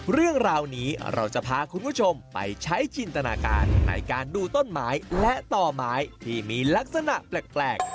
เรื่องราวนี้เราจะพาคุณผู้ชมไปใช้จินตนาการในการดูต้นไม้และต่อไม้ที่มีลักษณะแปลก